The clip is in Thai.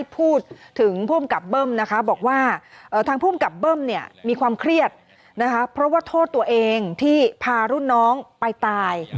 เพราะว่าโทษตัวเองที่พารุ่นน้องไปตาย